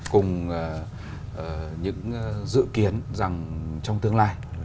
cùng những dự kiến rằng trong tương lai